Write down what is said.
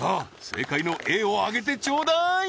正解のＡを上げてちょうだーい！